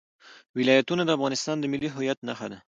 ولایتونه د افغانستان د ملي هویت نښه ده.